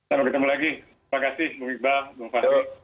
sampai ketemu lagi terima kasih bung iqbal bang fahri